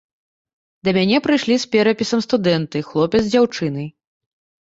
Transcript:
Да мяне прыйшлі з перапісам студэнты, хлопец з дзяўчынай.